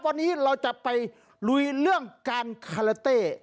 วันนี้เราจะไปลุยเรื่องการคาราเต้